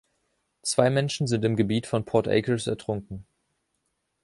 Zwei Menschen sind im Gebiet von Port Acres ertrunken.